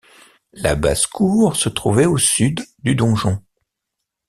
La basse cour se trouvait au sud du donjon.